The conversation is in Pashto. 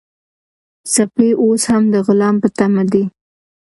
سپی اوس هم د غلام په تمه دی.